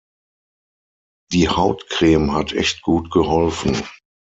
Die Hautcreme hat echt gut geholfen.